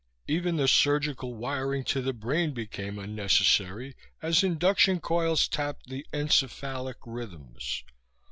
Even the surgical wiring to the brain became unnecessary as induction coils tapped the encephalic rhythms.